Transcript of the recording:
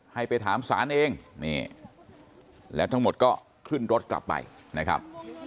ให้ไปถามศาลเองนี่แล้วทั้งหมดก็ขึ้นรถกลับไปนะครับ